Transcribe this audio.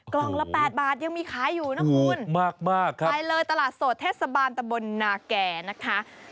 กล่องละ๘บาทยังมีค้าอยู่นะคุณไปเลยตลาดสดเทศบาลตะบนนาแก่นะคะมากครับ